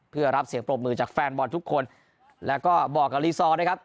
เพื่อรับเสียงปรบมือจากแฟนบอลทุกคนแล้วก็บอกกับรีซอร์นะครับ